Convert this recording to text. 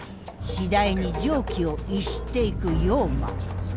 次第に常軌を逸していく陽馬。